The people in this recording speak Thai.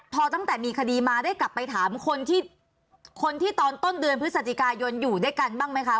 พอตั้งแต่มีคดีมาได้กลับไปถามคนที่คนที่ตอนต้นเดือนพฤศจิกายนอยู่ด้วยกันบ้างไหมคะ